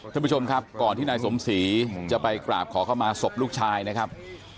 ท่านผู้ชมครับก่อนที่นายสมศรีจะไปกราบขอเข้ามาศพลูกชายนะครับ